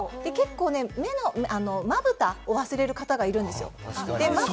まぶたを忘れる方、いるんですよ。